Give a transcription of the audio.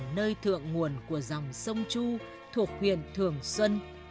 ở nơi thượng nguồn của dòng sông chu thuộc huyền thường xuân